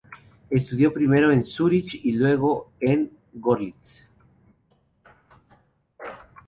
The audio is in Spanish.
Estudió primero en Zúrich y luego en Görlitz.